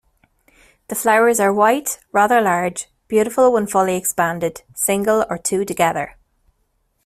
The flowers are white, rather large, beautiful when fully expanded, single or two together.